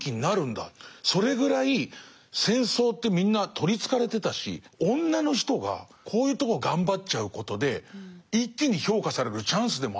それぐらい戦争ってみんな取りつかれてたし女の人がこういうとこ頑張っちゃうことで一気に評価されるチャンスでもあったんだとかは。